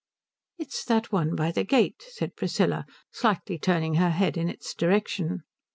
"It's that one by the gate," said Priscilla, slightly turning her head in its direction.